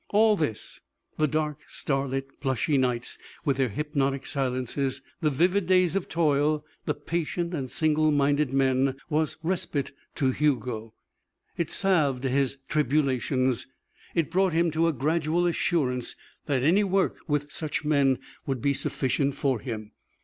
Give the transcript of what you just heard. All this the dark, starlit, plushy nights with their hypnotic silences, the vivid days of toil, the patient and single minded men was respite to Hugo. It salved his tribulations. It brought him to a gradual assurance that any work with such men would be sufficient for him.